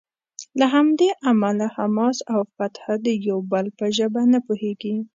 له همدې امله حماس او فتح د یو بل په ژبه نه پوهیږي.